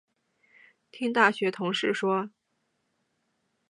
听大学同事说